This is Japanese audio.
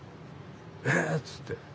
「え⁉」つって。